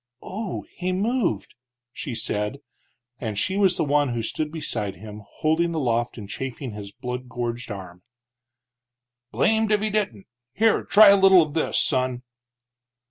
"Oh! he moved!" she said. And she was the one who stood beside him, holding aloft and chafing his blood gorged arm. "Blamed if he didn't! Here try a little of this, son."